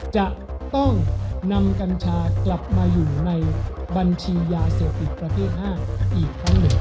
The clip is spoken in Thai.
จะต้องนำกัญชากลับมาอยู่ในบัญชียาเสพติดประเภท๕อีกครั้งหนึ่ง